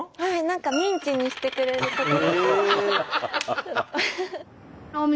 何かミンチにしてくれる所と。